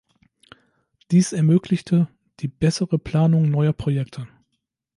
Dies ermöglichte die bessere Planung neuer Projekte.